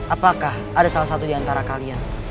apakah ada salah satu di antara kalian